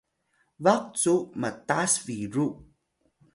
baq cu matas biru